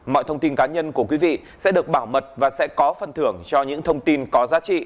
mọi thông tin cá nhân của quý vị sẽ được bảo mật và sẽ có phần thưởng cho những thông tin có giá trị